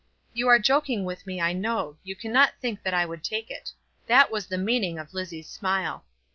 "You are joking with me, I know. You cannot think that I would take it." That was the meaning of Lizzie's smile.